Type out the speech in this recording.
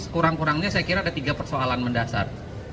kurang kurangnya saya kira ada tiga persoalan mendasar